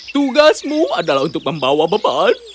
tugasmu adalah untuk membawa beban